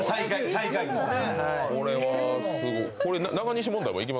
最下位ですね。